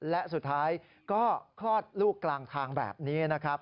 และสุดท้ายก็คลอดลูกกลางทางแบบนี้นะครับ